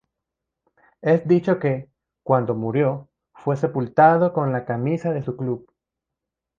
Es dicho que, cuando murió, fue sepultado con la camisa de su club.